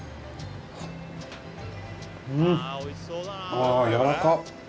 ああやわらか！